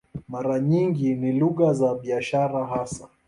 Mara nyingi ni lugha za biashara hasa.